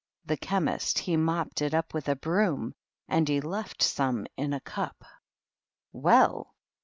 The Chemist he mopped it up with a hroon And he left some in a cup^ " Well